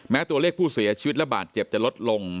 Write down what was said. ตัวเลขผู้เสียชีวิตระบาดเจ็บจะลดลง